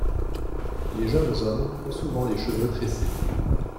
Les jeunes hommes ont souvent les cheveux tressés.